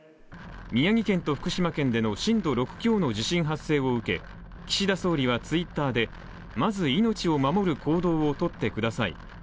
宮城県と福島県での震度６強の地震発生を受け、岸田総理はツイッターでまず命を守る行動をとってください。